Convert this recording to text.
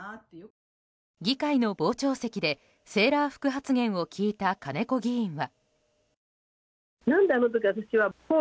議会の傍聴席でセーラー服発言を聞いた金子議員は。